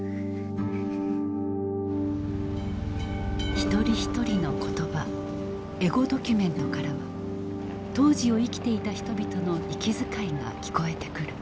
一人一人の言葉エゴドキュメントからは当時を生きていた人々の息遣いが聞こえてくる。